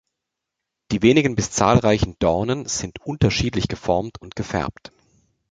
Die wenigen bis zahlreichen Dornen sind unterschiedlich geformt und gefärbt.